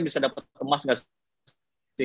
bisa dapet kemas gak sih